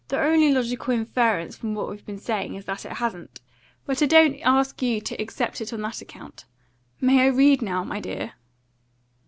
"The only logical inference from what we've been saying is that it hasn't. But I don't ask you to accept it on that account. May I read now, my dear?"